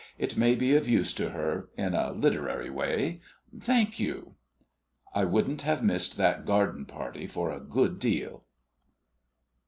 It may be of use to her in a literary way. Thank you." I wouldn't have missed that garden party for a good deal.